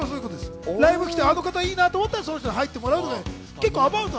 ライブへ来てあの人いいなと思ったら入ってもらう。